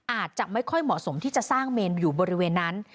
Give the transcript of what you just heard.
อาจจะไม่ค่อยเหมาะสมที่จะสร้างเมนอยู่บริเวณนั้น